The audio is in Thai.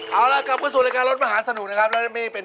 เอ้าล่ะกลับสู่รายการรถมหาสนุกนะครับ